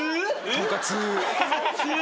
とんかつー！